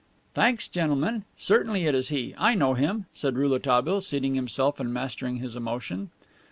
"Thanks, gentlemen; certainly it is he. I know him," said Rouletabille, seating himself and mastering his emotion.